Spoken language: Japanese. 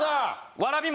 わらび餅。